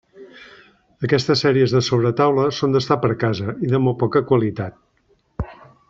Aquestes sèries de sobretaula són d'estar per casa i de molt poca qualitat.